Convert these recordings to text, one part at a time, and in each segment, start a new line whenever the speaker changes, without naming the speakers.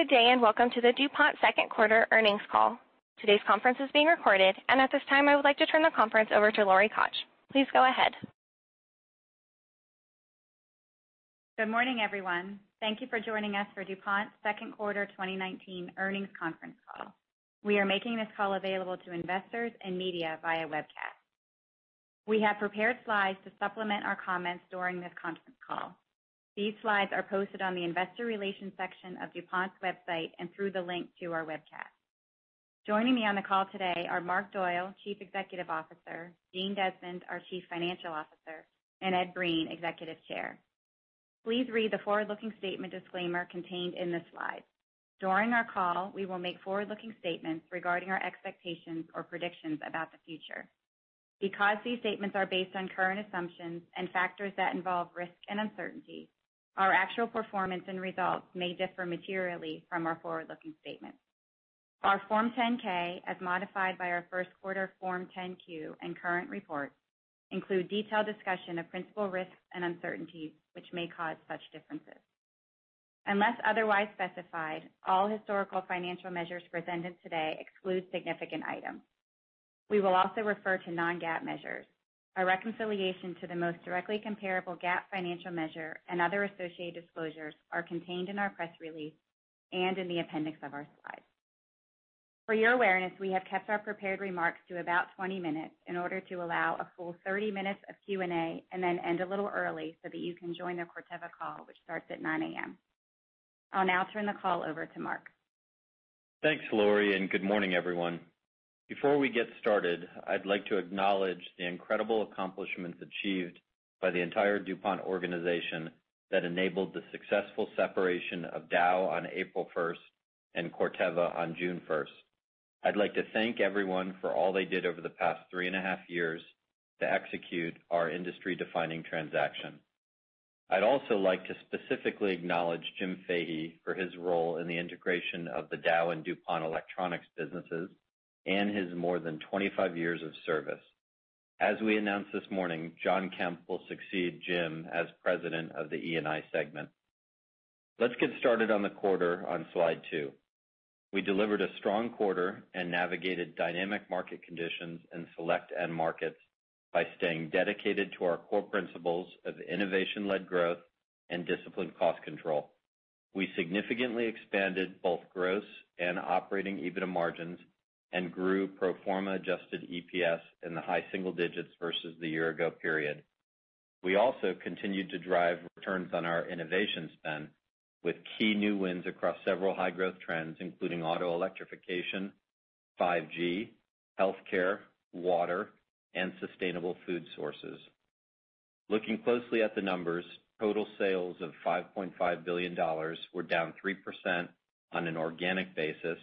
Good day, and welcome to the DuPont second quarter earnings call. Today's conference is being recorded, and at this time, I would like to turn the conference over to Lori Koch. Please go ahead.
Good morning, everyone. Thank you for joining us for DuPont's second quarter 2019 earnings conference call. We are making this call available to investors and media via webcast. We have prepared slides to supplement our comments during this conference call. These slides are posted on the investor relations section of DuPont's website and through the link to our webcast. Joining me on the call today are Marc Doyle, Chief Executive Officer, Jean Desmond, our Chief Financial Officer, and Ed Breen, Executive Chairman. Please read the forward-looking statement disclaimer contained in this slide. During our call, we will make forward-looking statements regarding our expectations or predictions about the future. Because these statements are based on current assumptions and factors that involve risk and uncertainty, our actual performance and results may differ materially from our forward-looking statements. Our Form 10-K, as modified by our first quarter Form 10-Q and current reports, include detailed discussion of principal risks and uncertainties, which may cause such differences. Unless otherwise specified, all historical financial measures presented today exclude significant items. We will also refer to non-GAAP measures. A reconciliation to the most directly comparable GAAP financial measure and other associated disclosures are contained in our press release and in the appendix of our slides. For your awareness, we have kept our prepared remarks to about 20 minutes in order to allow a full 30 minutes of Q&A, and then end a little early so that you can join the Corteva call, which starts at 9:00 A.M. I'll now turn the call over to Marc.
Thanks, Lori. Good morning, everyone. Before we get started, I'd like to acknowledge the incredible accomplishments achieved by the entire DuPont organization that enabled the successful separation of Dow on April 1st and Corteva on June 1st. I'd like to thank everyone for all they did over the past three and a half years to execute our industry-defining transaction. I'd also like to specifically acknowledge Jim Fahey for his role in the integration of the Dow and DuPont Electronics businesses and his more than 25 years of service. As we announced this morning, Jon Kemp will succeed Jim as President of the E&I segment. Let's get started on the quarter on slide two. We delivered a strong quarter and navigated dynamic market conditions in select end markets by staying dedicated to our core principles of innovation-led growth and disciplined cost control. We significantly expanded both gross and operating EBITDA margins and grew pro forma adjusted EPS in the high single digits versus the year ago period. We also continued to drive returns on our innovation spend with key new wins across several high-growth trends, including auto electrification, 5G, healthcare, water, and sustainable food sources. Looking closely at the numbers, total sales of $5.5 billion were down 3% on an organic basis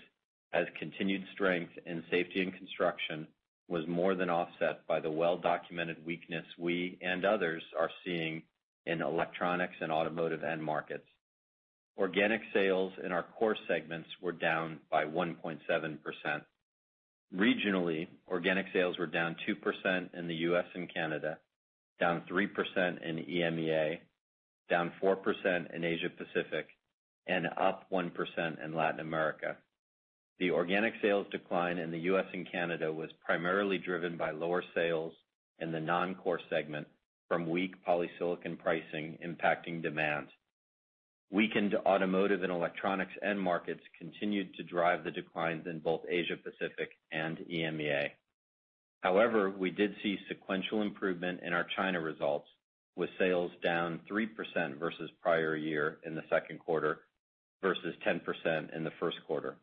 as continued strength in Safety & Construction was more than offset by the well-documented weakness we and others are seeing in electronics and automotive end markets. Organic sales in our core segments were down by 1.7%. Regionally, organic sales were down 2% in the U.S. and Canada, down 3% in EMEA, down 4% in Asia Pacific, and up 1% in Latin America. The organic sales decline in the U.S. and Canada was primarily driven by lower sales in the non-core segment from weak polysilicon pricing impacting demand. Weakened automotive and electronics end markets continued to drive the declines in both Asia Pacific and EMEA. We did see sequential improvement in our China results, with sales down 3% versus prior year in the second quarter, versus 10% in the first quarter.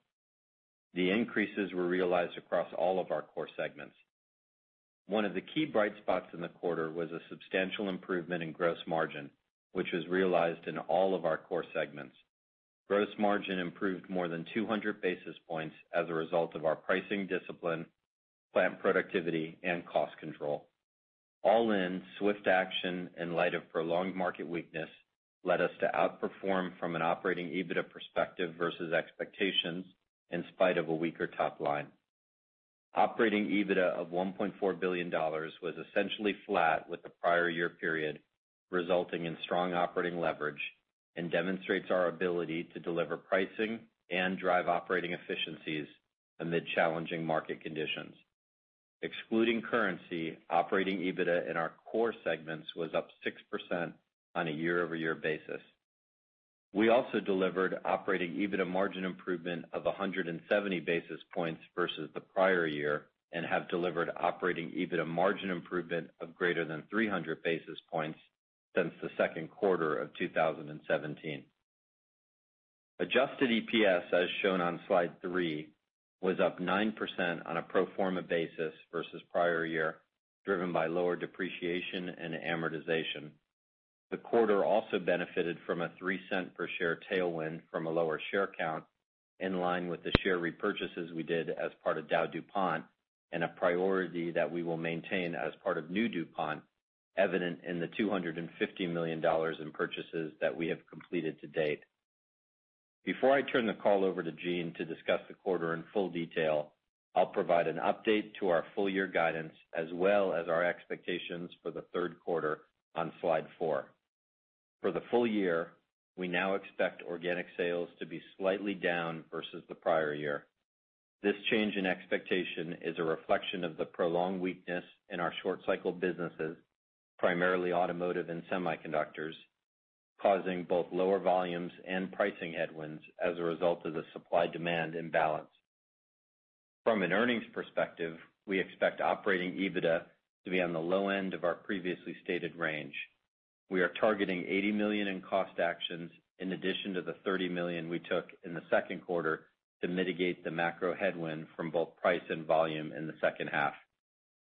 The increases were realized across all of our core segments. One of the key bright spots in the quarter was a substantial improvement in gross margin, which was realized in all of our core segments. Gross margin improved more than 200 basis points as a result of our pricing discipline, plant productivity, and cost control. All in, swift action in light of prolonged market weakness led us to outperform from an operating EBITDA perspective versus expectations in spite of a weaker top line. Operating EBITDA of $1.4 billion was essentially flat with the prior year period, resulting in strong operating leverage, and demonstrates our ability to deliver pricing and drive operating efficiencies amid challenging market conditions. Excluding currency, operating EBITDA in our core segments was up 6% on a year-over-year basis. We also delivered operating EBITDA margin improvement of 170 basis points versus the prior year and have delivered operating EBITDA margin improvement of greater than 300 basis points since the second quarter of 2017. Adjusted EPS, as shown on slide three, was up 9% on a pro forma basis versus prior year, driven by lower depreciation and amortization. The quarter also benefited from a $0.03 per share tailwind from a lower share count, in line with the share repurchases we did as part of DowDuPont and a priority that we will maintain as part of new DuPont, evident in the $250 million in purchases that we have completed to date. Before I turn the call over to Jean to discuss the quarter in full detail, I'll provide an update to our full year guidance as well as our expectations for the third quarter on slide four. For the full year, we now expect organic sales to be slightly down versus the prior year. This change in expectation is a reflection of the prolonged weakness in our short cycle businesses, primarily automotive and semiconductors, causing both lower volumes and pricing headwinds as a result of the supply-demand imbalance. From an earnings perspective, we expect Operating EBITDA to be on the low end of our previously stated range. We are targeting $80 million in cost actions in addition to the $30 million we took in the second quarter to mitigate the macro headwind from both price and volume in the second half.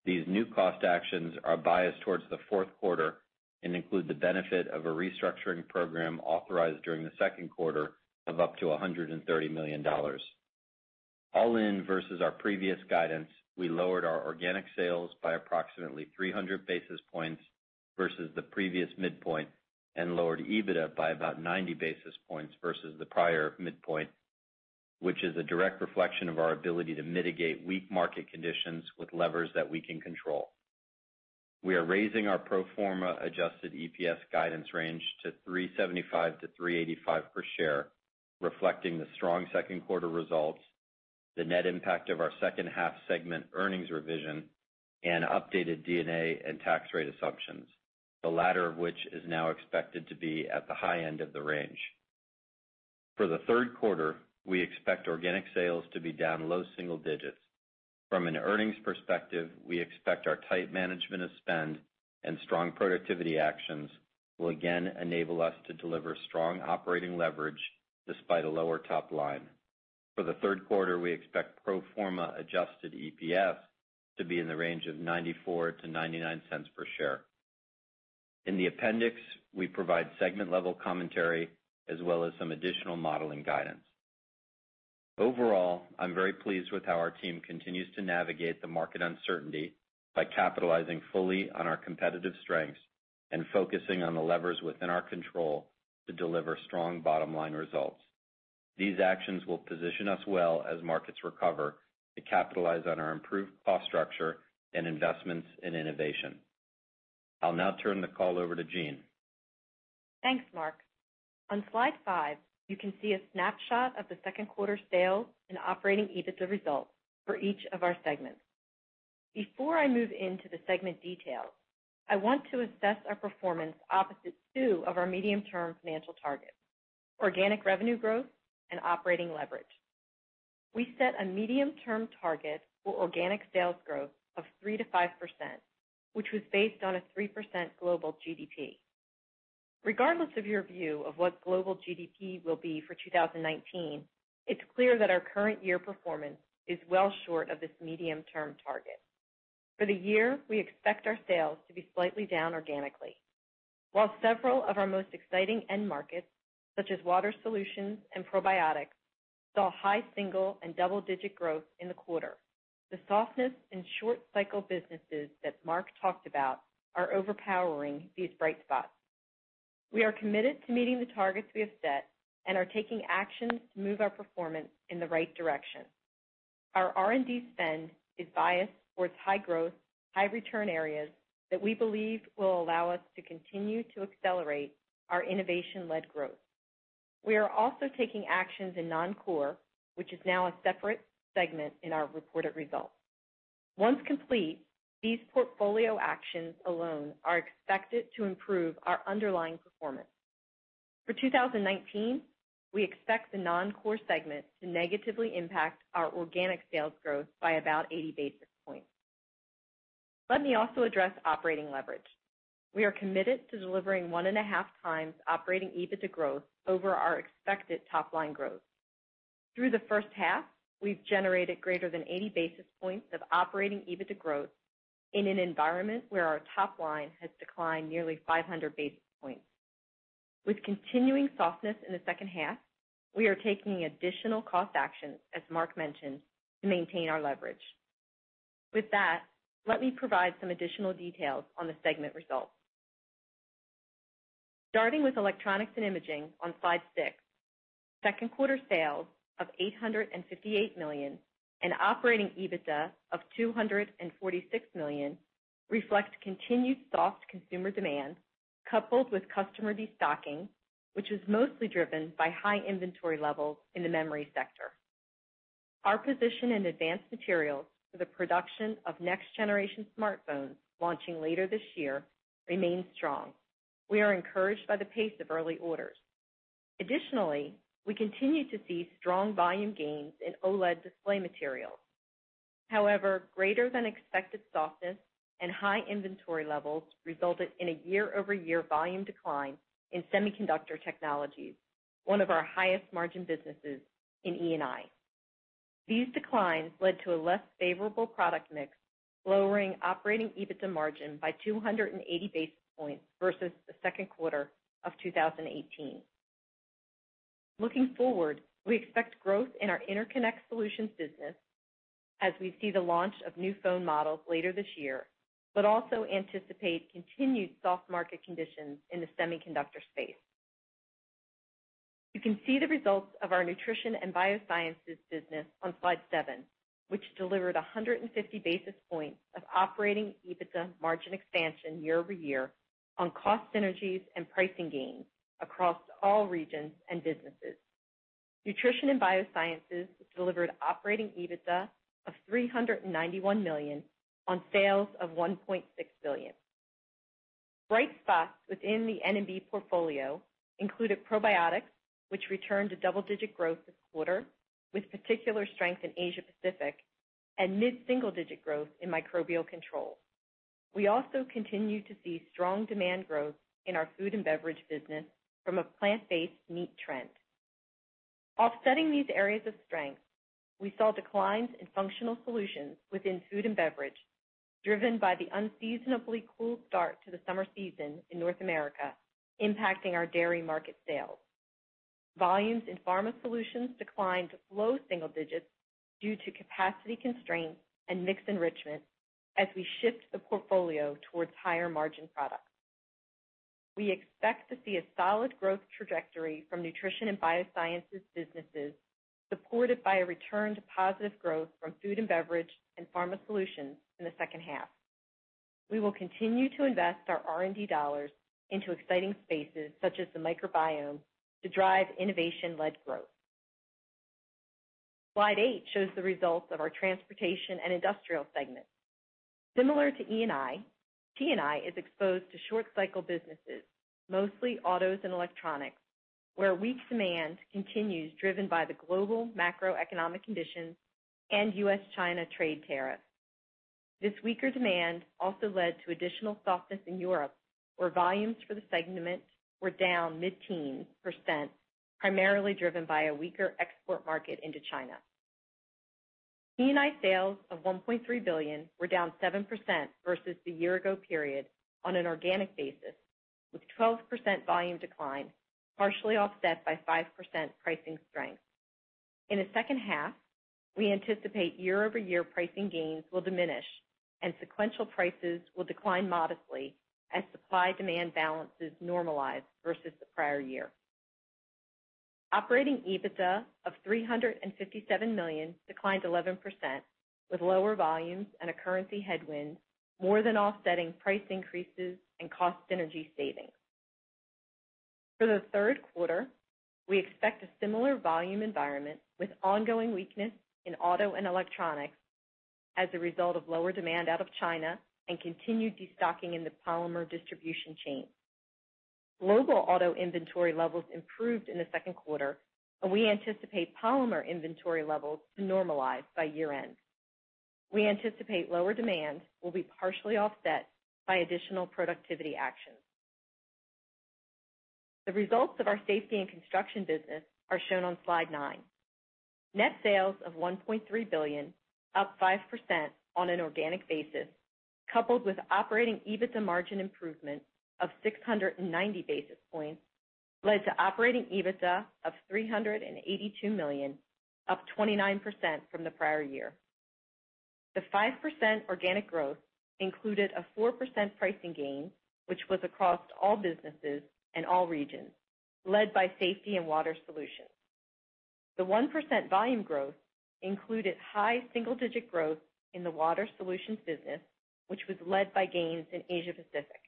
These new cost actions are biased towards the fourth quarter and include the benefit of a restructuring program authorized during the second quarter of up to $130 million. All in versus our previous guidance, we lowered our organic sales by approximately 300 basis points versus the previous midpoint, and lowered EBITDA by about 90 basis points versus the prior midpoint, which is a direct reflection of our ability to mitigate weak market conditions with levers that we can control. We are raising our pro forma adjusted EPS guidance range to $3.75 to $3.85 per share, reflecting the strong second quarter results, the net impact of our second half segment earnings revision, and updated D&A and tax rate assumptions, the latter of which is now expected to be at the high end of the range. For the third quarter, we expect organic sales to be down low single digits. From an earnings perspective, we expect our tight management of spend and strong productivity actions will again enable us to deliver strong operating leverage despite a lower top line. For the third quarter, we expect pro forma adjusted EPS to be in the range of $0.94-$0.99 per share. In the appendix, we provide segment-level commentary as well as some additional modeling guidance. Overall, I'm very pleased with how our team continues to navigate the market uncertainty by capitalizing fully on our competitive strengths and focusing on the levers within our control to deliver strong bottom-line results. These actions will position us well as markets recover to capitalize on our improved cost structure and investments in innovation. I'll now turn the call over to Jean.
Thanks, Marc. On slide five, you can see a snapshot of the second quarter sales and Operating EBITDA results for each of our segments. Before I move into the segment details, I want to assess our performance opposite two of our medium-term financial targets, organic revenue growth and operating leverage. We set a medium-term target for organic sales growth of 3%-5%, which was based on a 3% global GDP. Regardless of your view of what global GDP will be for 2019, it's clear that our current year performance is well short of this medium-term target. For the year, we expect our sales to be slightly down organically. While several of our most exciting end markets, such as Water Solutions and probiotics, saw high single and double-digit growth in the quarter, the softness in short cycle businesses that Marc talked about are overpowering these bright spots. We are committed to meeting the targets we have set and are taking actions to move our performance in the right direction. Our R&D spend is biased towards high growth, high return areas that we believe will allow us to continue to accelerate our innovation-led growth. We are also taking actions in non-core, which is now a separate segment in our reported results. Once complete, these portfolio actions alone are expected to improve our underlying performance. For 2019, we expect the non-core segment to negatively impact our organic sales growth by about 80 basis points. Let me also address operating leverage. We are committed to delivering one and a half times operating EBITDA growth over our expected top-line growth. Through the first half, we've generated greater than 80 basis points of operating EBITDA growth in an environment where our top line has declined nearly 500 basis points. With continuing softness in the second half, we are taking additional cost actions, as Marc mentioned, to maintain our leverage. Let me provide some additional details on the segment results. Starting with Electronics & Imaging on slide six, second quarter sales of $858 million and Operating EBITDA of $246 million reflect continued soft consumer demand, coupled with customer destocking, which was mostly driven by high inventory levels in the memory sector. Our position in advanced materials for the production of next-generation smartphones launching later this year remains strong. We are encouraged by the pace of early orders. We continue to see strong volume gains in OLED display materials. Greater than expected softness and high inventory levels resulted in a year-over-year volume decline in Semiconductor Technologies, one of our highest margin businesses in E&I. These declines led to a less favorable product mix, lowering Operating EBITDA margin by 280 basis points versus the second quarter of 2018. Looking forward, we expect growth in our Interconnect Solutions business as we see the launch of new phone models later this year, but also anticipate continued soft market conditions in the semiconductor space. You can see the results of our Nutrition & Biosciences business on slide seven, which delivered 150 basis points of Operating EBITDA margin expansion year-over-year on cost synergies and pricing gains across all regions and businesses. Nutrition & Biosciences delivered Operating EBITDA of $391 million on sales of $1.6 billion. Bright spots within the N&B portfolio included probiotics, which returned to double-digit growth this quarter, with particular strength in Asia Pacific, and mid-single-digit growth in Microbial Control. We also continue to see strong demand growth in our Food & Beverage business from a plant-based meat trend. Offsetting these areas of strength, we saw declines in functional solutions within Food & Beverage, driven by the unseasonably cool start to the summer season in North America, impacting our dairy market sales. Volumes in Pharma Solutions declined to low single digits due to capacity constraints and mix enrichment as we shift the portfolio towards higher margin products. We expect to see a solid growth trajectory from Nutrition & Biosciences businesses, supported by a return to positive growth from Food & Beverage and Pharma Solutions in the second half. We will continue to invest our R&D dollars into exciting spaces such as the microbiome to drive innovation-led growth. Slide eight shows the results of our Transportation & Industrial segment. Similar to E&I, T&I is exposed to short cycle businesses, mostly autos and electronics, where weak demand continues driven by the global macroeconomic conditions and U.S.-China trade tariffs. This weaker demand also led to additional softness in Europe, where volumes for the segment were down mid-teen %, primarily driven by a weaker export market into China. E&I sales of $1.3 billion were down 7% versus the year-ago period on an organic basis, with 12% volume decline partially offset by 5% pricing strength. In the second half, we anticipate year-over-year pricing gains will diminish and sequential prices will decline modestly as supply-demand balances normalize versus the prior year. Operating EBITDA of $357 million declined 11%, with lower volumes and a currency headwind more than offsetting price increases and cost synergy savings. For the third quarter, we expect a similar volume environment with ongoing weakness in auto and electronics as a result of lower demand out of China and continued destocking in the polymer distribution chain. Global auto inventory levels improved in the second quarter. We anticipate polymer inventory levels to normalize by year-end. We anticipate lower demand will be partially offset by additional productivity actions. The results of our Safety & Construction business are shown on slide nine. Net sales of $1.3 billion, up 5% on an organic basis, coupled with Operating EBITDA margin improvement of 690 basis points led to Operating EBITDA of $382 million, up 29% from the prior year. The 5% organic growth included a 4% pricing gain, which was across all businesses and all regions, led by Safety & Water Solutions. The 1% volume growth included high single-digit growth in the Water Solutions business, which was led by gains in Asia Pacific.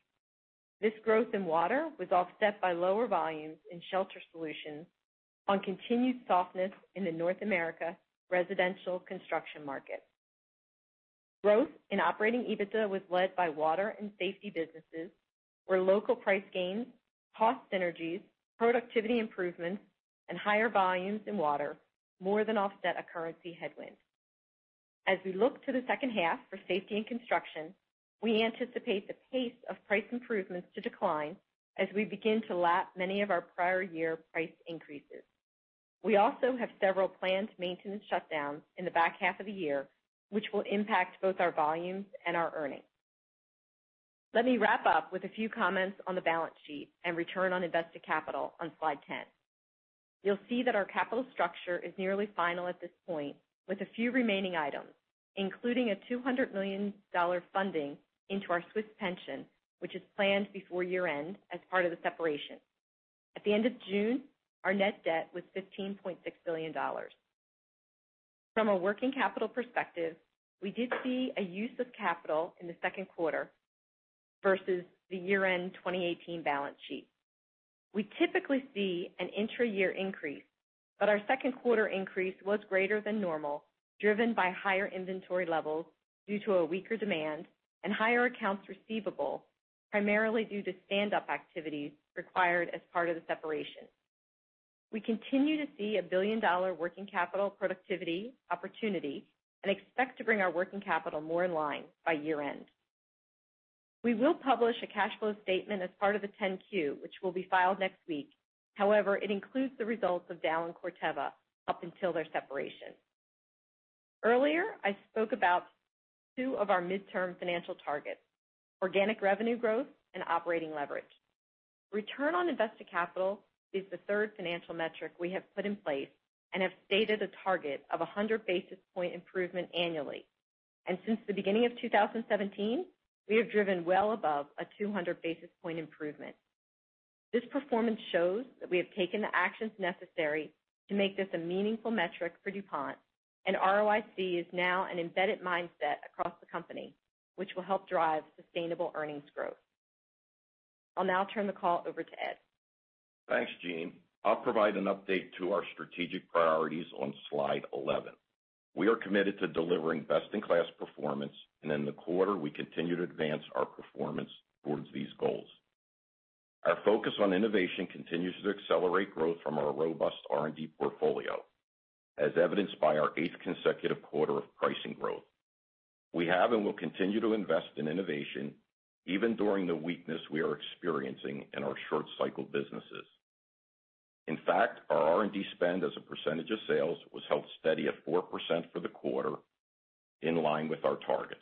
This growth in Water was offset by lower volumes in Shelter Solutions on continued softness in the North America residential construction market. Growth in Operating EBITDA was led by Water and Safety businesses, where local price gains, cost synergies, productivity improvements, and higher volumes in Water more than offset a currency headwind. As we look to the second half for Safety & Construction, we anticipate the pace of price improvements to decline as we begin to lap many of our prior year price increases. We also have several planned maintenance shutdowns in the back half of the year, which will impact both our volumes and our earnings. Let me wrap up with a few comments on the balance sheet and return on invested capital on slide 10. You'll see that our capital structure is nearly final at this point, with a few remaining items, including a $200 million funding into our Swiss pension, which is planned before year-end as part of the separation. At the end of June, our net debt was $15.6 billion. From a working capital perspective, we did see a use of capital in the second quarter versus the year-end 2018 balance sheet. We typically see an intra-year increase, but our second quarter increase was greater than normal, driven by higher inventory levels due to a weaker demand and higher accounts receivable, primarily due to standup activities required as part of the separation. We continue to see a billion-dollar working capital productivity opportunity and expect to bring our working capital more in line by year-end. We will publish a cash flow statement as part of the 10-Q, which will be filed next week. However, it includes the results of Dow and Corteva up until their separation. Earlier, I spoke about two of our midterm financial targets, organic revenue growth and operating leverage. Return on invested capital is the third financial metric we have put in place and have stated a target of 100 basis point improvement annually. Since the beginning of 2017, we have driven well above a 200 basis point improvement. This performance shows that we have taken the actions necessary to make this a meaningful metric for DuPont, and ROIC is now an embedded mindset across the company, which will help drive sustainable earnings growth. I'll now turn the call over to Ed.
Thanks, Jean. I'll provide an update to our strategic priorities on slide 11. We are committed to delivering best-in-class performance, and in the quarter we continue to advance our performance towards these goals. Our focus on innovation continues to accelerate growth from our robust R&D portfolio, as evidenced by our eighth consecutive quarter of pricing growth. We have and will continue to invest in innovation even during the weakness we are experiencing in our short cycle businesses. In fact, our R&D spend as a percentage of sales was held steady at 4% for the quarter, in line with our targets.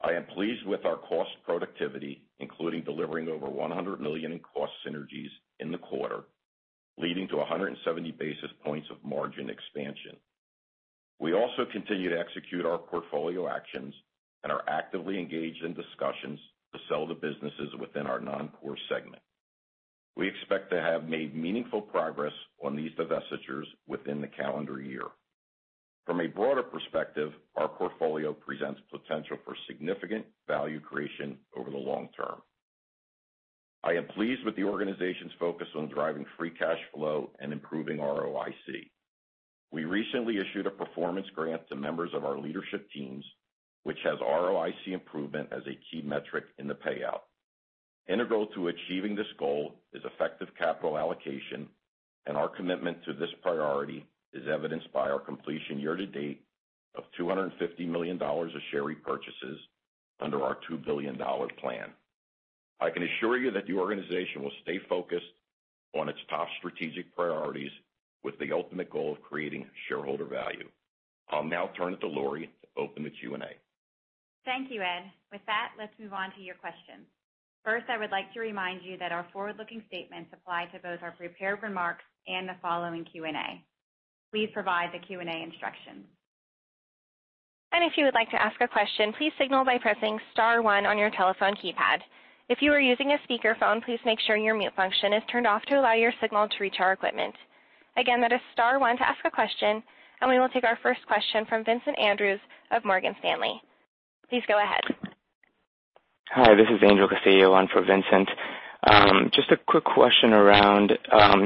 I am pleased with our cost productivity, including delivering over $100 million in cost synergies in the quarter, leading to 170 basis points of margin expansion. We also continue to execute our portfolio actions and are actively engaged in discussions to sell the businesses within our non-core segment. We expect to have made meaningful progress on these divestitures within the calendar year. From a broader perspective, our portfolio presents potential for significant value creation over the long term. I am pleased with the organization's focus on driving free cash flow and improving ROIC. We recently issued a performance grant to members of our leadership teams, which has ROIC improvement as a key metric in the payout. Integral to achieving this goal is effective capital allocation, and our commitment to this priority is evidenced by our completion year to date of $250 million of share repurchases under our $2 billion plan. I can assure you that the organization will stay focused on its top strategic priorities with the ultimate goal of creating shareholder value. I'll now turn it to Lori to open the Q&A.
Thank you, Ed. Let's move on to your questions. First, I would like to remind you that our forward-looking statements apply to both our prepared remarks and the following Q&A. Please provide the Q&A instructions.
If you would like to ask a question, please signal by pressing star one on your telephone keypad. If you are using a speakerphone, please make sure your mute function is turned off to allow your signal to reach our equipment. Again, that is star one to ask a question. We will take our first question from Vincent Andrews of Morgan Stanley. Please go ahead.
Hi, this is Angel Castillo on for Vincent. Just a quick question around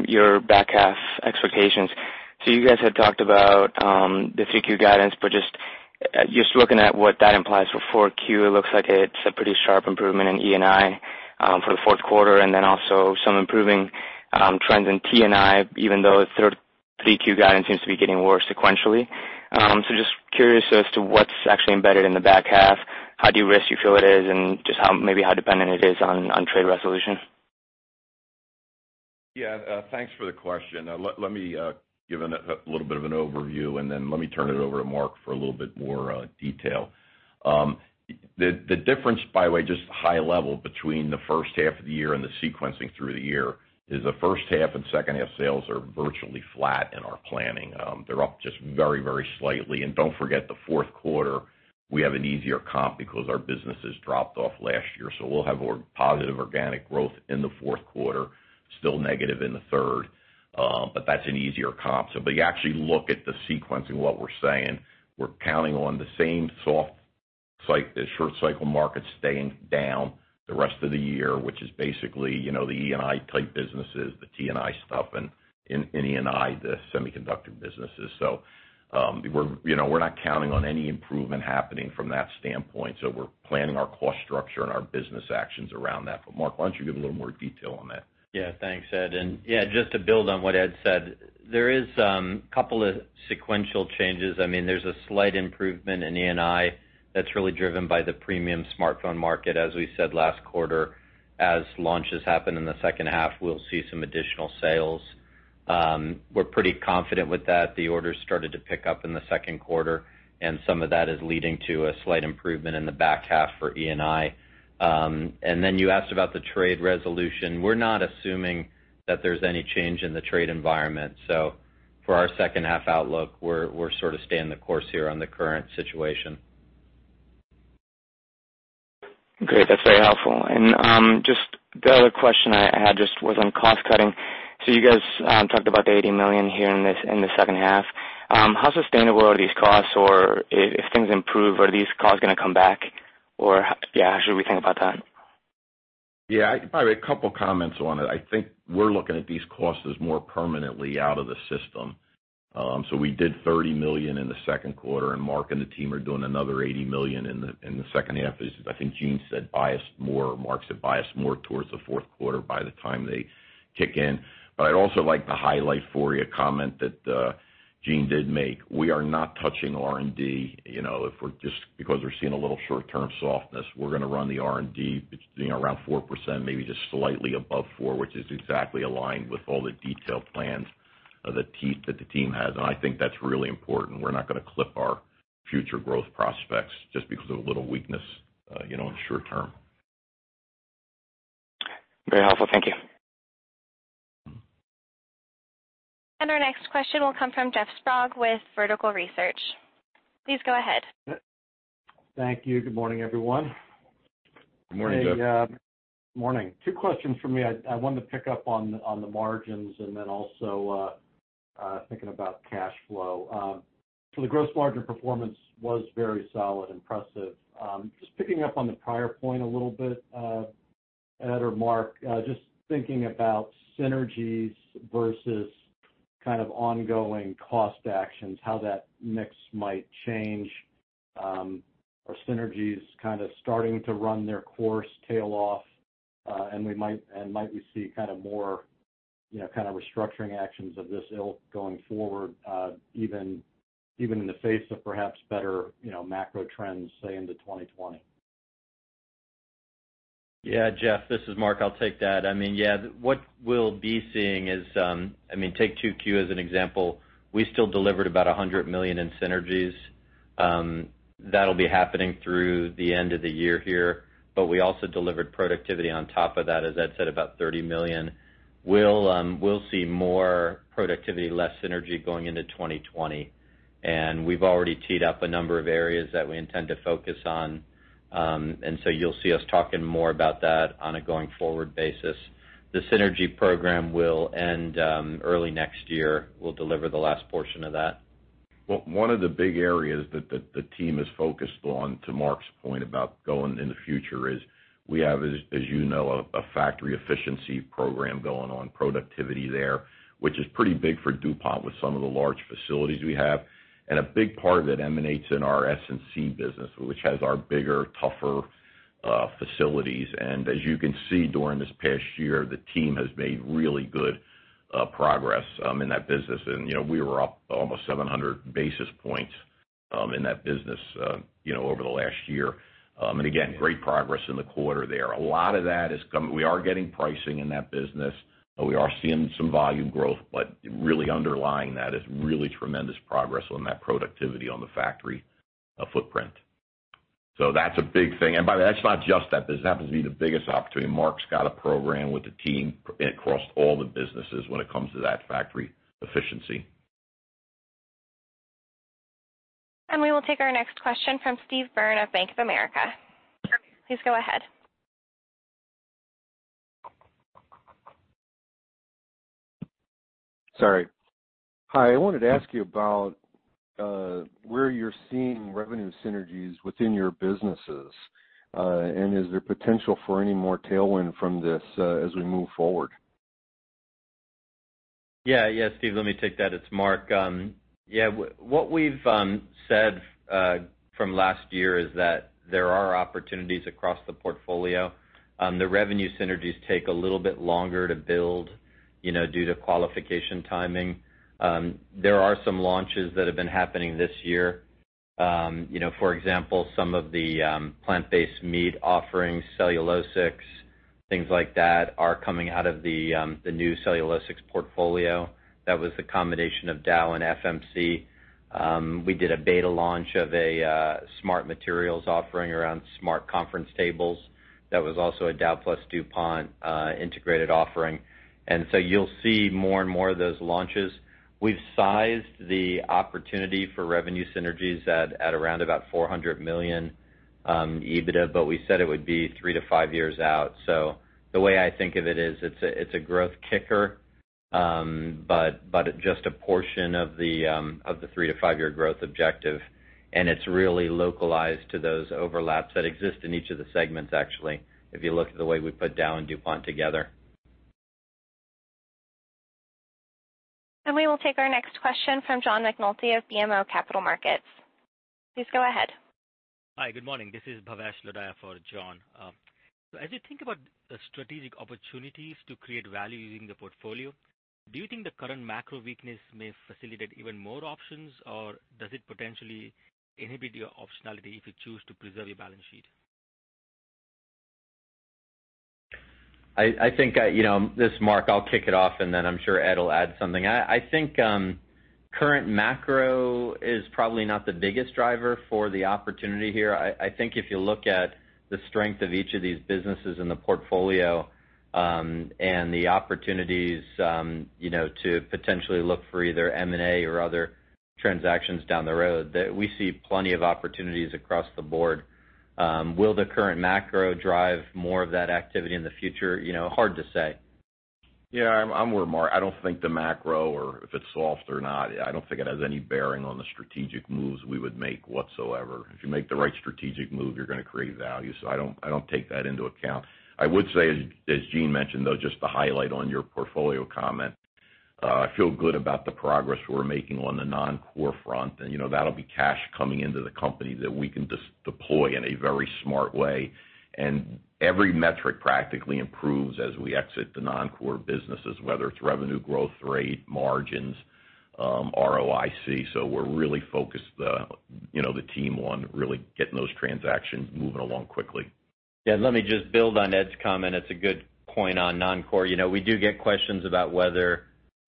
your back half expectations. You guys had talked about the 3Q guidance, but just looking at what that implies for 4Q, it looks like it's a pretty sharp improvement in E&I for the fourth quarter and then also some improving trends in T&I even though 3Q guidance seems to be getting worse sequentially. Just curious as to what's actually embedded in the back half. How do you risk you feel it is and just maybe how dependent it is on trade resolution?
Thanks for the question. Let me give a little bit of an overview and then let me turn it over to Marc for a little bit more detail. The difference, by the way, just high level between the first half of the year and the sequencing through the year is the first half and second half sales are virtually flat in our planning. They're up just very, very slightly. Don't forget the fourth quarter, we have an easier comp because our businesses dropped off last year. We'll have positive organic growth in the fourth quarter, still negative in the third. That's an easier comp. You actually look at the sequencing, what we're saying, we're counting on the same soft short cycle market staying down the rest of the year, which is basically the E&I type businesses, the T&I stuff, and in E&I, the semiconductor businesses. We're not counting on any improvement happening from that standpoint. We're planning our cost structure and our business actions around that. Marc, why don't you give a little more detail on that?
Yeah. Thanks, Ed. Yeah, just to build on what Ed said, there is couple of sequential changes. There's a slight improvement in E&I that's really driven by the premium smartphone market, as we said last quarter. As launches happen in the second half, we'll see some additional sales. We're pretty confident with that. The orders started to pick up in the second quarter, some of that is leading to a slight improvement in the back half for E&I. Then you asked about the trade resolution. We're not assuming that there's any change in the trade environment. For our second half outlook, we're sort of staying the course here on the current situation.
Great. That's very helpful. Just the other question I had just was on cost cutting. You guys talked about the $80 million here in the second half. How sustainable are these costs? If things improve, are these costs going to come back or how should we think about that?
Yeah. A couple of comments on it. I think we're looking at these costs as more permanently out of the system. We did $30 million in the second quarter, and Marc and the team are doing another $80 million in the second half. I think Jean said biased more, Marc said biased more towards the fourth quarter by the time they kick in. I'd also like to highlight for you a comment that Jean did make. We are not touching R&D. Just because we're seeing a little short term softness, we're going to run the R&D around 4%, maybe just slightly above four, which is exactly aligned with all the detailed plans that the team has, and I think that's really important. We're not going to clip our future growth prospects just because of a little weakness in the short term.
Very helpful. Thank you.
Our next question will come from Jeff Sprague with Vertical Research. Please go ahead.
Thank you. Good morning, everyone.
Good morning, Jeff.
Morning. Two questions from me. I wanted to pick up on the margins and then also thinking about cash flow. The gross margin performance was very solid, impressive. Just picking up on the prior point a little bit, Ed or Marc, just thinking about synergies versus kind of ongoing cost actions, how that mix might change. Are synergies kind of starting to run their course tail off, and might we see kind of more restructuring actions of this ilk going forward, even in the face of perhaps better macro trends, say, into 2020?
Yeah, Jeff, this is Marc. I'll take that. What we'll be seeing is, take 2Q as an example, we still delivered about $100 million in synergies. That'll be happening through the end of the year here, we also delivered productivity on top of that, as Ed said, about $30 million. We'll see more productivity, less synergy going into 2020. We've already teed up a number of areas that we intend to focus on. You'll see us talking more about that on a going forward basis. The synergy program will end early next year. We'll deliver the last portion of that.
One of the big areas that the team is focused on, to Marc's point about going in the future, is we have, as you know, a factory efficiency program going on, productivity there, which is pretty big for DuPont with some of the large facilities we have. A big part of it emanates in our S&C business, which has our bigger, tougher facilities. As you can see, during this past year, the team has made really good progress in that business. We were up almost 700 basis points in that business over the last year. Again, great progress in the quarter there. We are getting pricing in that business, and we are seeing some volume growth, but really underlying that is really tremendous progress on that productivity on the factory footprint. That's a big thing. By the way, that's not just that. This happens to be the biggest opportunity. Marc's got a program with the team across all the businesses when it comes to that factory efficiency.
We will take our next question from Steve Byrne of Bank of America. Please go ahead.
Sorry. Hi, I wanted to ask you about where you're seeing revenue synergies within your businesses. Is there potential for any more tailwind from this as we move forward?
Steve, let me take that. It's Marc. What we've said from last year is that there are opportunities across the portfolio. The revenue synergies take a little bit longer to build due to qualification timing. There are some launches that have been happening this year. For example, some of the plant-based meat offerings, Cellulosics, things like that, are coming out of the new Cellulosics portfolio. That was the combination of Dow and FMC. We did a beta launch of a smart materials offering around smart conference tables. That was also a Dow plus DuPont integrated offering. You'll see more and more of those launches. We've sized the opportunity for revenue synergies at around about $400 million EBITDA, we said it would be three to five years out. The way I think of it is it's a growth kicker, but just a portion of the 3-5 year growth objective. It's really localized to those overlaps that exist in each of the segments, actually, if you look at the way we put Dow and DuPont together.
We will take our next question from John McNulty of BMO Capital Markets. Please go ahead.
Hi, good morning. This is Bhavesh Lodaya for John. As you think about strategic opportunities to create value using the portfolio, do you think the current macro weakness may facilitate even more options, or does it potentially inhibit your optionality if you choose to preserve your balance sheet?
This is Marc. I'll kick it off, and then I'm sure Ed will add something. I think current macro is probably not the biggest driver for the opportunity here. I think if you look at the strength of each of these businesses in the portfolio and the opportunities to potentially look for either M&A or other transactions down the road, that we see plenty of opportunities across the board. Will the current macro drive more of that activity in the future? Hard to say.
I'm with Marc. I don't think the macro or if it's soft or not, I don't think it has any bearing on the strategic moves we would make whatsoever. If you make the right strategic move, you're going to create value. I don't take that into account. I would say, as Jean mentioned, though, just to highlight on your portfolio comment, I feel good about the progress we're making on the non-core front. That'll be cash coming into the company that we can deploy in a very smart way. Every metric practically improves as we exit the non-core businesses, whether it's revenue growth rate, margins, ROIC. We're really focused, the team, on really getting those transactions moving along quickly.
Yeah, let me just build on Ed's comment. It's a good point on non-core. We do get questions about whether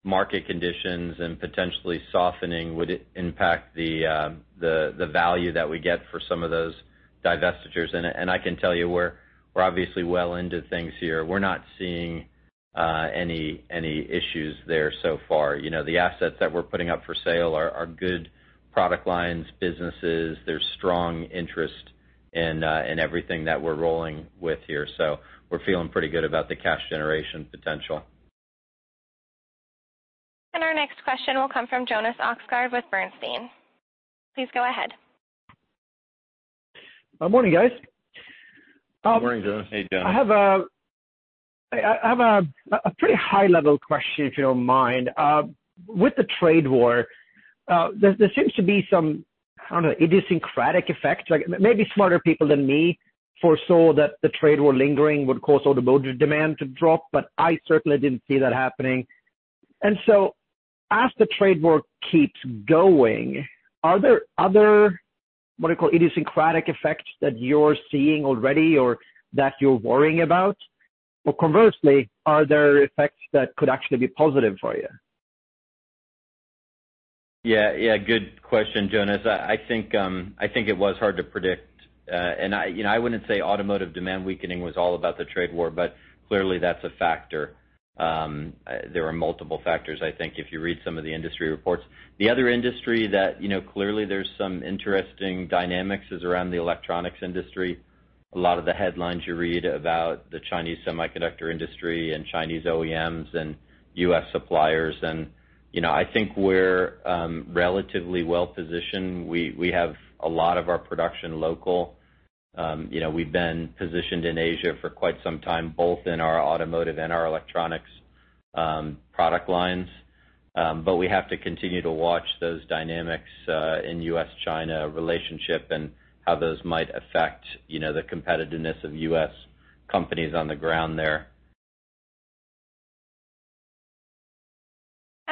market conditions and potentially softening would impact the value that we get for some of those divestitures. I can tell you we're obviously well into things here. We're not seeing any issues there so far. The assets that we're putting up for sale are good product lines, businesses. There's strong interest in everything that we're rolling with here. We're feeling pretty good about the cash generation potential.
Our next question will come from Jonas Oxgaard with Bernstein. Please go ahead.
Good morning, guys.
Good morning, Jonas.
Hey, Jonas.
I have a pretty high-level question, if you don't mind. With the trade war, there seems to be some, I don't know, idiosyncratic effect. Maybe smarter people than me foresaw that the trade war lingering would cause automotive demand to drop, but I certainly didn't see that happening. As the trade war keeps going, are there other, what do you call, idiosyncratic effects that you're seeing already or that you're worrying about? Conversely, are there effects that could actually be positive for you?
Yeah. Good question, Jonas. I think it was hard to predict. I wouldn't say automotive demand weakening was all about the trade war, but clearly that's a factor. There were multiple factors, I think, if you read some of the industry reports. The other industry that clearly there's some interesting dynamics is around the electronics industry. A lot of the headlines you read about the Chinese semiconductor industry and Chinese OEMs and U.S. suppliers. I think we're relatively well-positioned. We have a lot of our production local. We've been positioned in Asia for quite some time, both in our automotive and our electronics product lines. We have to continue to watch those dynamics in U.S.-China relationship and how those might affect the competitiveness of U.S. companies on the ground there.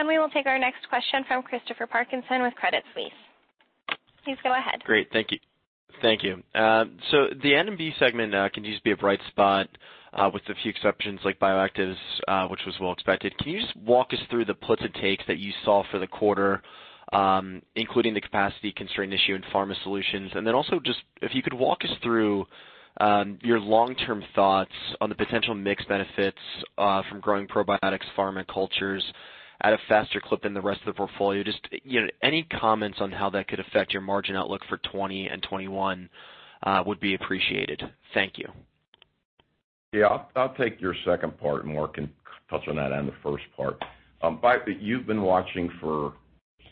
We will take our next question from Christopher Parkinson with Credit Suisse. Please go ahead.
Great. Thank you. The N&B segment continues to be a bright spot with a few exceptions like Bioactives, which was well expected. Can you just walk us through the puts and takes that you saw for the quarter including the capacity constraint issue in Pharma Solutions? Just if you could walk us through your long-term thoughts on the potential mix benefits from growing probiotics, Pharma cultures at a faster clip than the rest of the portfolio. Just any comments on how that could affect your margin outlook for 2020 and 2021 would be appreciated. Thank you.
Yeah. I'll take your second part, and Marc can touch on that and the first part. You've been watching for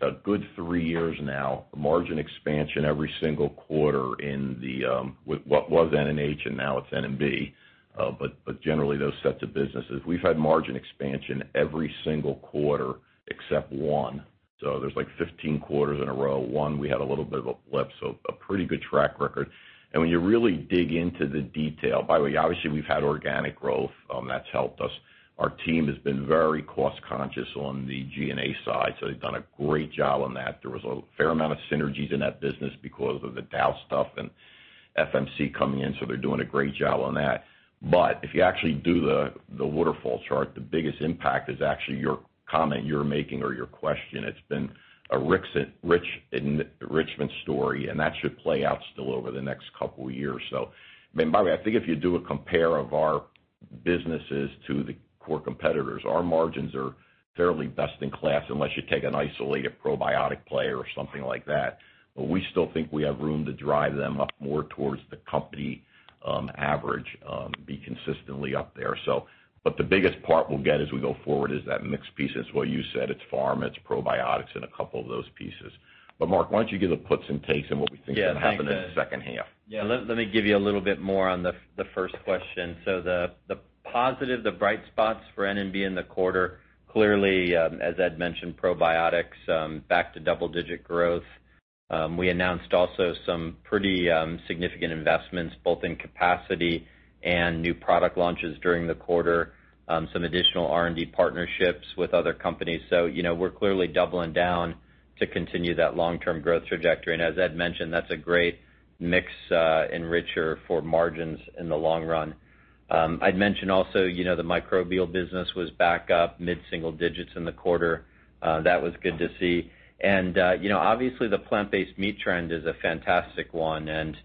a good three years now, margin expansion every single quarter in the, what was N&H, and now it's N&B. Generally those sets of businesses. We've had margin expansion every single quarter except one. There's 15 quarters in a row. One, we had a little bit of a blip, so a pretty good track record. When you really dig into the detail, by the way, obviously, we've had organic growth. That's helped us. Our team has been very cost-conscious on the G&A side, so they've done a great job on that. There was a fair amount of synergies in that business because of the Dow stuff and FMC coming in, so they're doing a great job on that. If you actually do the waterfall chart, the biggest impact is actually your comment you're making or your question. It's been a rich enrichment story, and that should play out still over the next couple of years. By the way, I think if you do a compare of our businesses to the core competitors, our margins are fairly best in class unless you take an isolated probiotic player or something like that. We still think we have room to drive them up more towards the company average, be consistently up there. The biggest part we'll get as we go forward is that mix piece. It's what you said, it's Pharma Solutions, it's probiotics, and a couple of those pieces. Marc, why don't you give the puts and takes on what we think is going to happen in the second half?
Yeah. Let me give you a little bit more on the first question. The positive, the bright spots for N&B in the quarter, clearly, as Ed mentioned, probiotics back to double-digit growth. We announced also some pretty significant investments both in capacity and new product launches during the quarter, some additional R&D partnerships with other companies. We're clearly doubling down to continue that long-term growth trajectory. As Ed mentioned, that's a great mix enricher for margins in the long run. I'd mention also, the Microbial Control was back up mid-single digits in the quarter. That was good to see. Obviously the plant-based meat trend is a fantastic one, and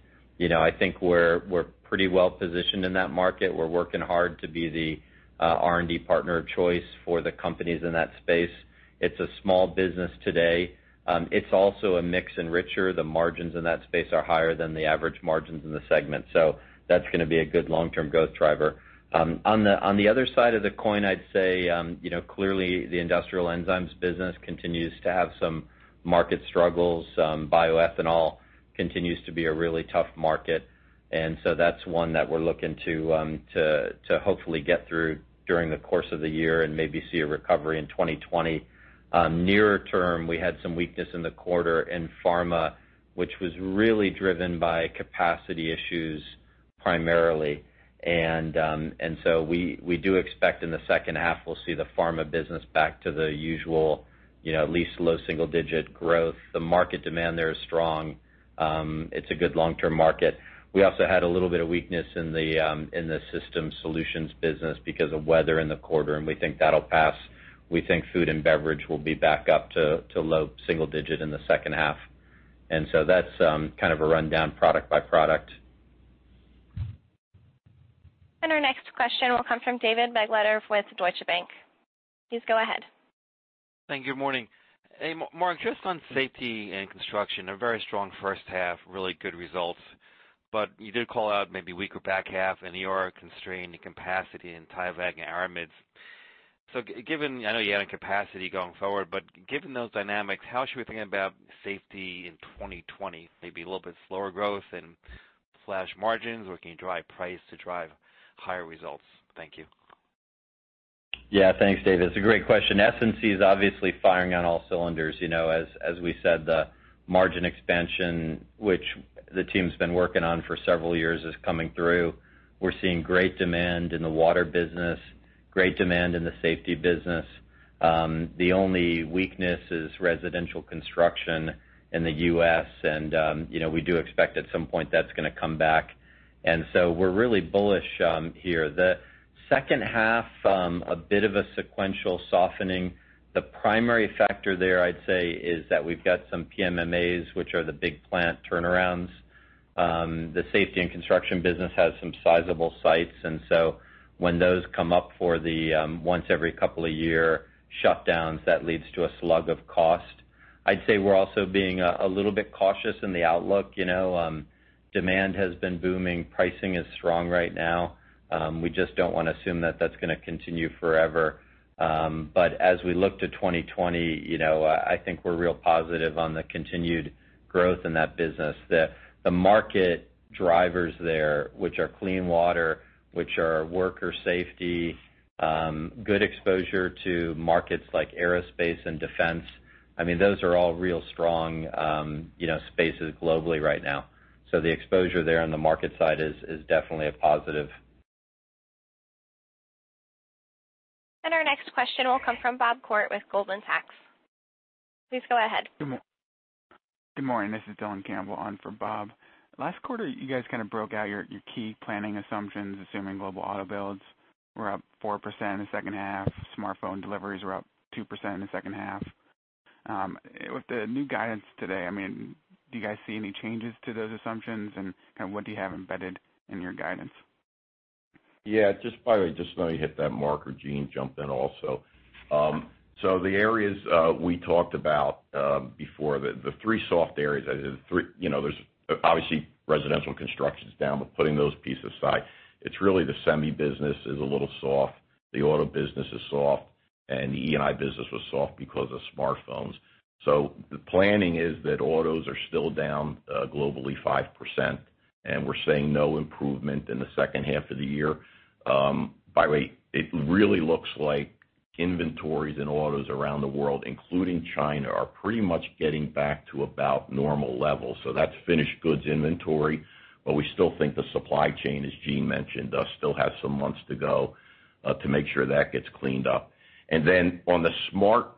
I think we're pretty well positioned in that market. We're working hard to be the R&D partner of choice for the companies in that space. It's a small business today. It's also a mix enricher. The margins in that space are higher than the average margins in the segment. That's going to be a good long-term growth driver. On the other side of the coin, I'd say, clearly the industrial enzymes business continues to have some market struggles. Bioethanol continues to be a really tough market. That's one that we're looking to hopefully get through during the course of the year and maybe see a recovery in 2020. Near term, we had some weakness in the quarter in pharma, which was really driven by capacity issues primarily. We do expect in the second half, we'll see the pharma business back to the usual, at least low single-digit growth. The market demand there is strong. It's a good long-term market. We also had a little bit of weakness in the systems solutions business because of weather in the quarter. We think that'll pass. We think food and beverage will be back up to low single digit in the second half. That's kind of a rundown product by product.
Our next question will come from David Begleiter with Deutsche Bank. Please go ahead.
Thank you. Morning. Marc, just on Safety & Construction, a very strong first half, really good results. You did call out maybe weaker back half and EOR constrained capacity in Tyvek and Aramids. I know you added capacity going forward, given those dynamics, how should we think about Safety in 2020? Maybe a little bit slower growth and flat margins, can you drive price to drive higher results? Thank you.
Yeah, thanks, David. It's a great question. S&C is obviously firing on all cylinders. As we said, the margin expansion, which the team's been working on for several years, is coming through. We're seeing great demand in the water business, great demand in the safety business. The only weakness is residential construction in the U.S., we do expect at some point that's going to come back. We're really bullish here. The second half, a bit of a sequential softening. The primary factor there, I'd say, is that we've got some PMs/TAs, which are the big plant turnarounds. The Safety & Construction business has some sizable sites, when those come up for the once every couple of year shutdowns, that leads to a slug of cost. I'd say we're also being a little bit cautious in the outlook. Demand has been booming. Pricing is strong right now. We just don't want to assume that that's going to continue forever. As we look to 2020, I think we're real positive on the continued growth in that business. The market drivers there, which are clean water, which are worker safety, good exposure to markets like aerospace and defense. Those are all real strong spaces globally right now. The exposure there on the market side is definitely a positive.
Our next question will come from Bob Koort with Goldman Sachs. Please go ahead.
Good morning. This is Dylan Campbell on for Bob. Last quarter, you guys kind of broke out your key planning assumptions, assuming global auto builds were up 4% in the second half, smartphone deliveries were up 2% in the second half. With the new guidance today, do you guys see any changes to those assumptions, and what do you have embedded in your guidance?
Just by the way, just let me hit that Marc or Jean jump in also. The areas we talked about before, the three soft areas. There's obviously residential construction's down, but putting those pieces aside, it's really the semi business is a little soft, the auto business is soft, and the E&I business was soft because of smartphones. The planning is that autos are still down globally 5%, and we're seeing no improvement in the second half of the year. By the way, it really looks like inventories in autos around the world, including China, are pretty much getting back to about normal levels. That's finished goods inventory, but we still think the supply chain, as Jean mentioned, still has some months to go to make sure that gets cleaned up. On the smartphone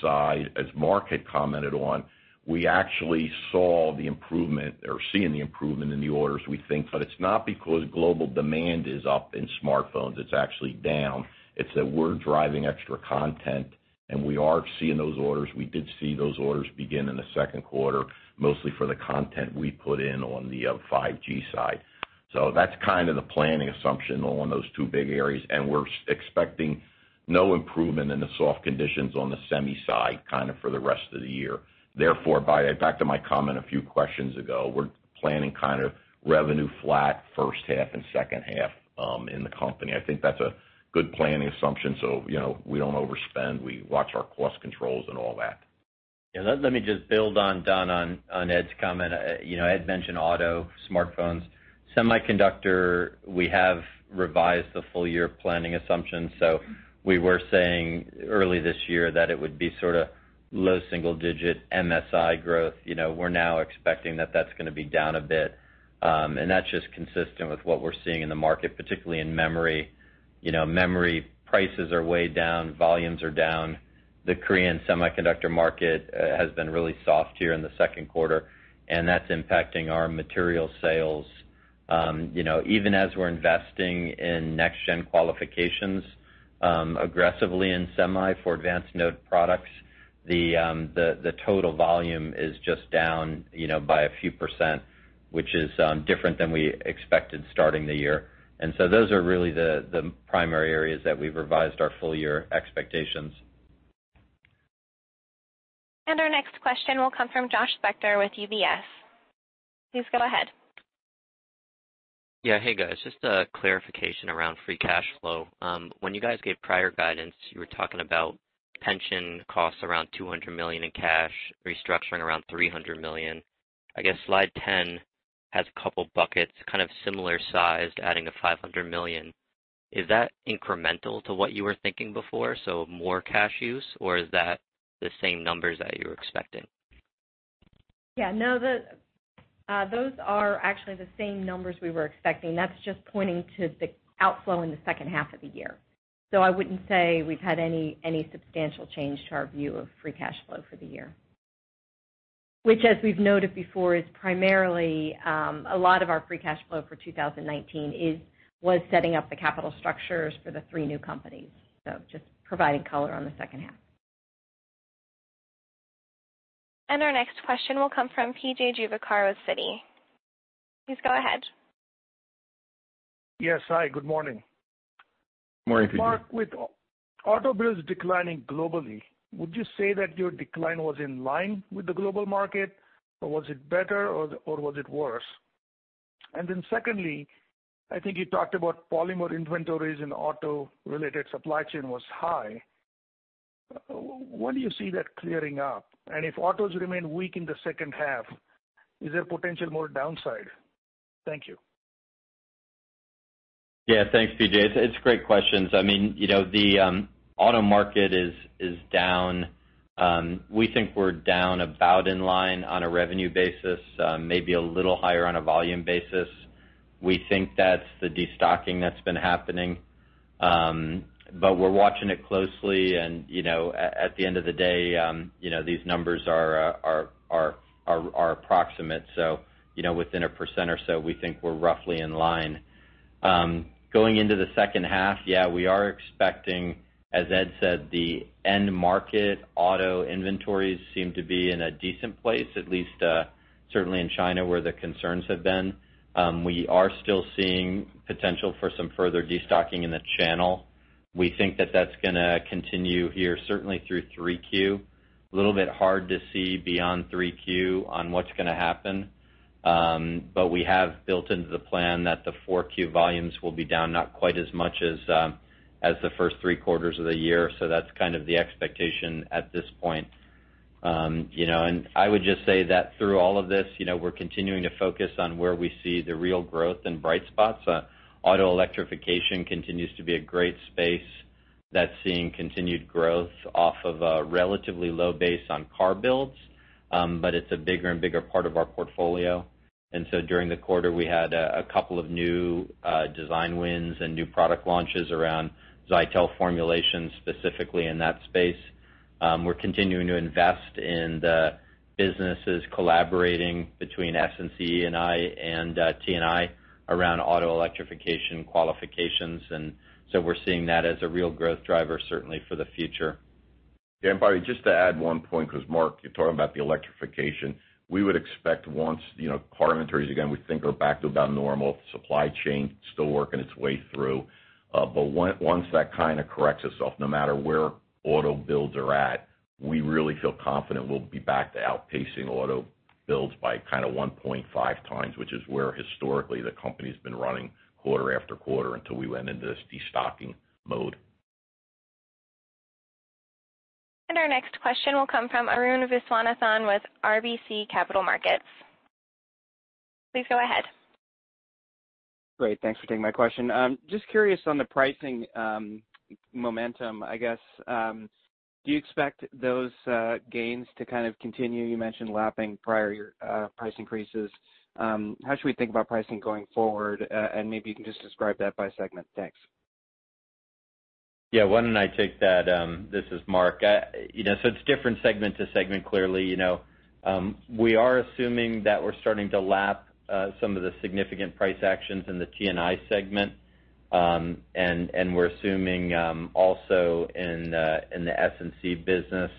side, as Marc had commented on, we actually saw the improvement or are seeing the improvement in the orders, we think. It's not because global demand is up in smartphones. It's actually down. It's that we're driving extra content, and we are seeing those orders. We did see those orders begin in the second quarter, mostly for the content we put in on the 5G side. That's kind of the planning assumption on those two big areas, and we're expecting no improvement in the soft conditions on the semi side for the rest of the year. Therefore, back to my comment a few questions ago, we're planning revenue flat first half and second half in the company. I think that's a good planning assumption, so we don't overspend. We watch our cost controls and all that.
Let me just build on Don, on Ed's comment. Ed mentioned auto, smartphones. Semiconductor, we have revised the full year planning assumptions. We were saying early this year that it would be sort of low single-digit MSI growth. We're now expecting that that's going to be down a bit. That's just consistent with what we're seeing in the market, particularly in memory. Memory prices are way down. Volumes are down. The Korean semiconductor market has been really soft here in the second quarter, and that's impacting our material sales. Even as we're investing in next gen qualifications aggressively in semi for advanced node products, the total volume is just down by a few percent, which is different than we expected starting the year. Those are really the primary areas that we've revised our full year expectations.
Our next question will come from Joshua Spector with UBS. Please go ahead.
Yeah. Hey, guys, just a clarification around free cash flow. When you guys gave prior guidance, you were talking about pension costs around $200 million in cash, restructuring around $300 million. I guess slide 10 has a couple buckets, kind of similar sized, adding to $500 million. Is that incremental to what you were thinking before, so more cash use, or is that the same numbers that you were expecting?
Yeah, no. Those are actually the same numbers we were expecting. That's just pointing to the outflow in the second half of the year. I wouldn't say we've had any substantial change to our view of free cash flow for the year. Which, as we've noted before, is primarily a lot of our free cash flow for 2019 was setting up the capital structures for the three new companies. Just providing color on the second half.
Our next question will come from P.J. Juvekar, Citi. Please go ahead.
Yes. Hi, good morning.
Morning, P.J.
Marc, with auto builds declining globally, would you say that your decline was in line with the global market, or was it better, or was it worse? Secondly, I think you talked about polymer inventories in auto-related supply chain was high. When do you see that clearing up? If autos remain weak in the second half, is there potential more downside? Thank you.
Thanks, P.J. It's great questions. The auto market is down. We think we're down about in line on a revenue basis, maybe a little higher on a volume basis. We think that's the destocking that's been happening. We're watching it closely and, at the end of the day, these numbers are approximate. Within a percent or so, we think we're roughly in line. Going into the second half, we are expecting, as Ed said, the end market auto inventories seem to be in a decent place, at least certainly in China where the concerns have been. We are still seeing potential for some further destocking in the channel. We think that's going to continue here certainly through 3Q. A little bit hard to see beyond 3Q on what's going to happen. We have built into the plan that the 4Q volumes will be down not quite as much as the first three quarters of the year. That's kind of the expectation at this point. I would just say that through all of this, we're continuing to focus on where we see the real growth and bright spots. Auto electrification continues to be a great space that's seeing continued growth off of a relatively low base on car builds, but it's a bigger and bigger part of our portfolio. During the quarter, we had a couple of new design wins and new product launches around Zytel formulations, specifically in that space. We're continuing to invest in the businesses collaborating between S&C and T&I around auto electrification qualifications. We're seeing that as a real growth driver, certainly for the future.
Yeah, probably just to add one point, because Marc, you're talking about the electrification. We would expect once car inventories, again, we think are back to about normal. Supply chain still working its way through. Once that kind of corrects itself, no matter where auto builds are at, we really feel confident we'll be back to outpacing auto builds by 1.5 times, which is where historically the company's been running quarter after quarter until we went into this destocking mode.
Our next question will come from Arun Viswanathan with RBC Capital Markets. Please go ahead.
Great. Thanks for taking my question. Just curious on the pricing momentum, I guess. Do you expect those gains to kind of continue? You mentioned lapping prior price increases. How should we think about pricing going forward? Maybe you can just describe that by segment. Thanks.
Yeah. Why don't I take that? This is Marc. It's different segment to segment, clearly. We are assuming that we're starting to lap some of the significant price actions in the T&I segment. We're assuming, also in the S&C business,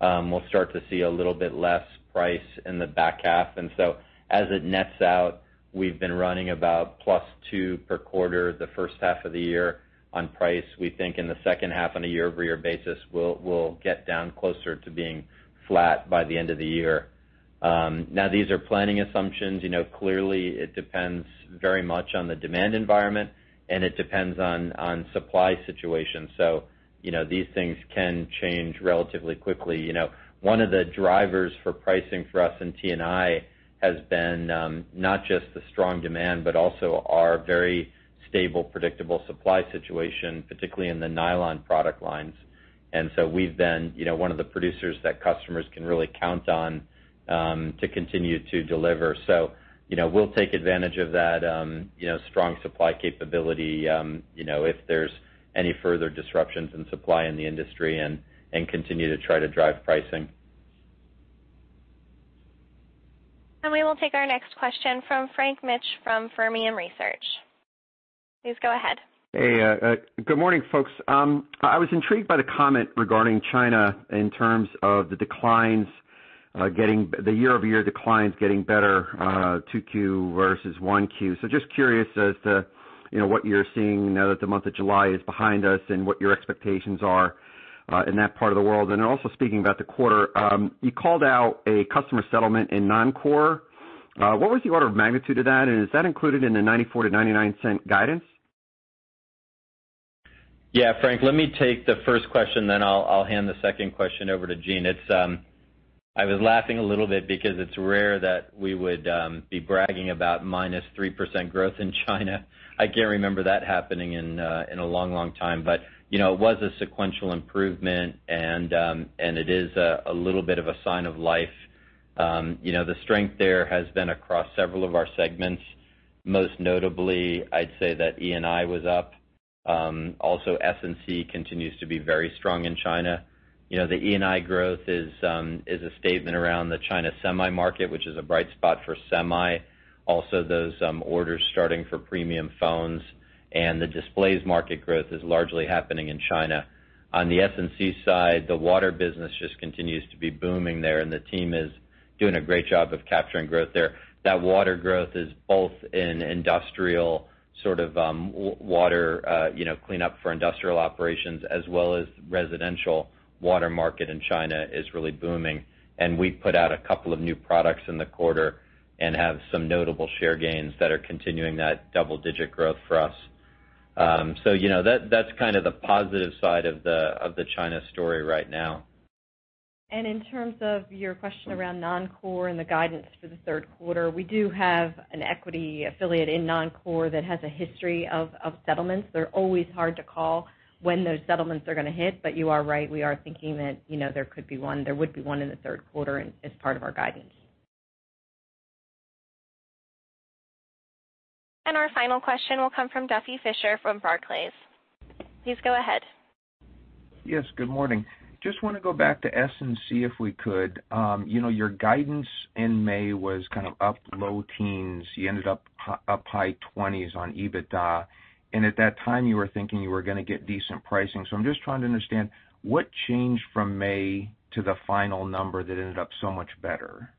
we'll start to see a little bit less price in the back half. As it nets out, we've been running about plus two per quarter the first half of the year on price. We think in the second half on a year-over-year basis, we'll get down closer to being flat by the end of the year. Now these are planning assumptions. Clearly it depends very much on the demand environment, and it depends on supply situation. These things can change relatively quickly. One of the drivers for pricing for us in T&I has been not just the strong demand, but also our very stable, predictable supply situation, particularly in the nylon product lines. We've been one of the producers that customers can really count on to continue to deliver. We'll take advantage of that strong supply capability if there's any further disruptions in supply in the industry and continue to try to drive pricing.
We will take our next question from Frank Mitsch from Fermium Research. Please go ahead.
Hey, good morning, folks. I was intrigued by the comment regarding China in terms of the year-over-year declines getting better 2Q versus 1Q. Just curious as to what you're seeing now that the month of July is behind us and what your expectations are in that part of the world? Also speaking about the quarter. You called out a customer settlement in non-core. What was the order of magnitude of that, and is that included in the $0.94-$0.99 guidance?
Yeah. Frank, let me take the first question, then I'll hand the second question over to Jean. I was laughing a little bit because it's rare that we would be bragging about minus 3% growth in China. I can't remember that happening in a long, long time. It was a sequential improvement and it is a little bit of a sign of life. The strength there has been across several of our segments. Most notably, I'd say that E&I was up. Also S&C continues to be very strong in China. The E&I growth is a statement around the China semi market, which is a bright spot for semi. Also those orders starting for premium phones and the displays market growth is largely happening in China. On the S&C side, the water business just continues to be booming there, and the team is doing a great job of capturing growth there. That water growth is both in industrial sort of water cleanup for industrial operations as well as residential water market in China is really booming, and we put out a couple of new products in the quarter and have some notable share gains that are continuing that double-digit growth for us. That's kind of the positive side of the China story right now.
In terms of your question around non-core and the guidance for the third quarter, we do have an equity affiliate in non-core that has a history of settlements. They're always hard to call when those settlements are going to hit. You are right, we are thinking that there could be one, there would be one in the third quarter as part of our guidance.
Our final question will come from Duffy Fischer from Barclays. Please go ahead.
Yes, good morning. Just want to go back to S&C if we could. Your guidance in May was kind of up low teens. You ended up high 20s on EBITDA, and at that time, you were thinking you were going to get decent pricing. I'm just trying to understand what changed from May to the final number that ended up so much better.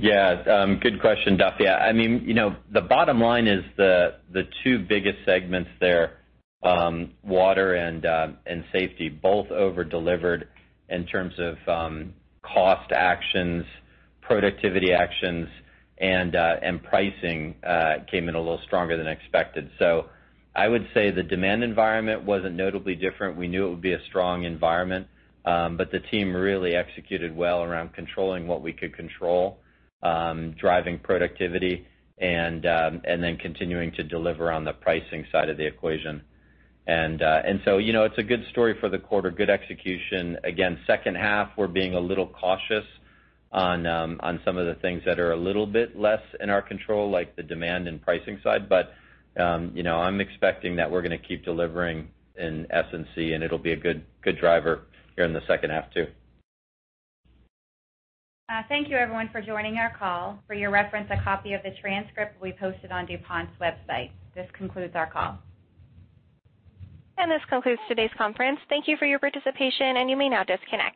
Good question, Duffy. The bottom line is the two biggest segments there, water and safety, both over-delivered in terms of cost actions, productivity actions, and pricing came in a little stronger than expected. I would say the demand environment wasn't notably different. We knew it would be a strong environment, but the team really executed well around controlling what we could control, driving productivity, and then continuing to deliver on the pricing side of the equation. It's a good story for the quarter, good execution. Again, second half, we're being a little cautious on some of the things that are a little bit less in our control, like the demand and pricing side. I'm expecting that we're going to keep delivering in S&C, and it'll be a good driver here in the second half, too.
Thank you everyone for joining our call. For your reference, a copy of the transcript will be posted on DuPont's website. This concludes our call.
This concludes today's conference. Thank you for your participation, and you may now disconnect.